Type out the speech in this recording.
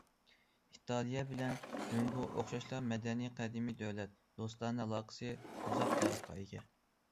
ئىتالىيە بىلەن جۇڭگو ئوخشاشلا مەدەنىي قەدىمىي دۆلەت، دوستانە ئالاقىسى ئۇزاق تارىخقا ئىگە.